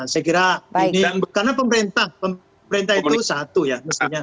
saya kira ini karena pemerintah pemerintah itu satu ya